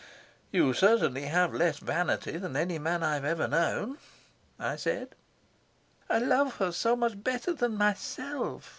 "You certainly have less vanity than any man I've ever known," I said. "I love her so much better than myself.